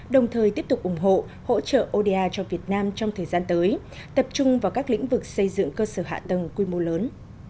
đồng thời tiếp tục ủng hộ hỗ trợ oda cho việt nam trong thời gian tới tập trung vào các lĩnh vực xây dựng cơ sở hạ tầng quy mô lớn